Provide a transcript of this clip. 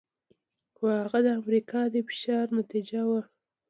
خو هغه د امریکا د فشار نتیجه وه.